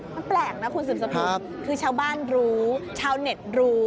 มันแปลกนะคุณสืบสกุลคือชาวบ้านรู้ชาวเน็ตรู้